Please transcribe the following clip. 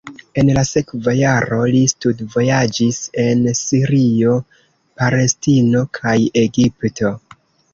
En la sekva jaro li studvojaĝis en Sirio, Palestino kaj Egipto.